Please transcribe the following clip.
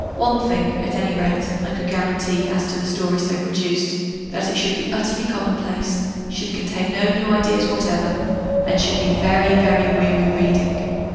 One thing, at any rate, I could guarantee as to the story so produced that it should be utterly commonplace, should contain no new ideas whatever, and should be very very weary reading!